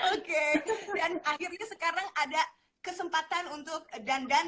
oke dan akhirnya sekarang ada kesempatan untuk dandan